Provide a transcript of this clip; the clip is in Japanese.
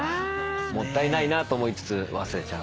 もったいないなと思いつつ忘れちゃう。